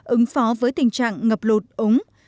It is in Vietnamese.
ứng phó với tình trạng ngập lụt úng